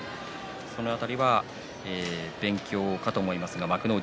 その辺りは勉強だと思いますが幕内